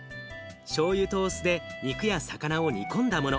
しょうゆとお酢で肉や魚を煮込んだもの。